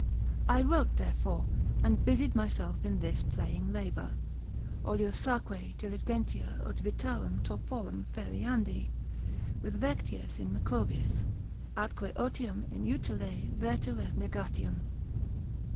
I wrote therefore, and busied myself in this playing labour, oliosaque diligentia ut vitarem torporum feriandi with Vectius in Macrobius, atque otium in utile verterem negatium.